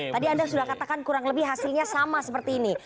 tadi anda sudah katakan kurang lebih hasilnya sama seperti ini